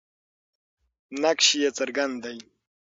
نقش یې څرګند دی.